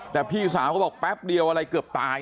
แต่พี่สาวก็บอกแป๊บเดียวอะไรเกือบตาย